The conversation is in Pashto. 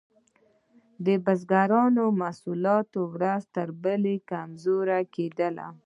د بزګرانو محصولات ورځ تر بلې کمزوري کیدل.